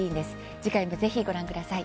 次回も、ぜひご覧ください。